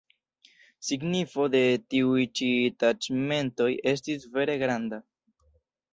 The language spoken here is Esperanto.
Signifo de tiuj ĉi taĉmentoj estis vere granda.